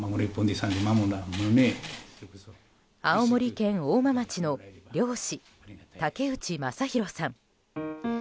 青森県大間町の漁師竹内正弘さん。